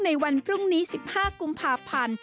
ในวันพรุ่งนี้๑๕กุมภาพันธ์